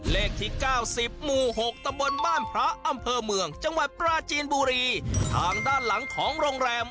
เหล็กที่๙๐๖ตะบนบานพระอำเภอเมืองจังหวัดปราจีนบุรีทางด้านหลังของโรงแรม